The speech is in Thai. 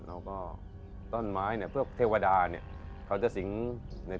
แล้วก็ต้นไม้เนี่ยเทวาทวดาเนี่ยเค้าจะสิงในเปลือกไม้ในต้นไม้